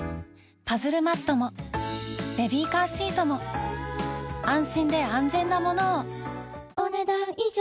パズルマットもベビーカーシートも安心で安全なものをお、ねだん以上。